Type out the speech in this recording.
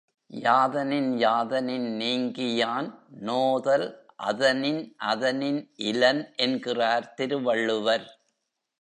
யாதனின் யாதனின் நீங்கியான் நோதல் அதனின் அதனின் இலன் என்கிறார் திருவள்ளுவர்.